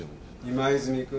今泉君！